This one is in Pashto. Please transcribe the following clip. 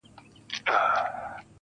• څوک به نو څه رنګه اقبا وویني.